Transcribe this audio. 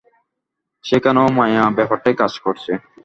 সেখানেও মায়া ব্যাপারটাই কাজ করছে।